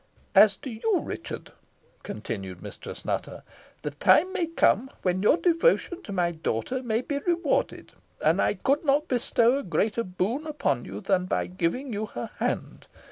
"As to you, Richard," continued Mistress Nutter, "the time may come when your devotion to my daughter may be rewarded and I could not bestow a greater boon upon you than by giving you her hand.